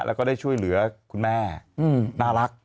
แล้วก็ได้ช่วยเหลือคุณแม่น่ารัก